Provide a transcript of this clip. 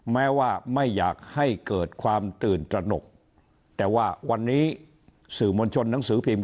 แม้ว่าไม่อยากให้เกิดความตื่นตระหนกแต่ว่าวันนี้สื่อมวลชนหนังสือพิมพ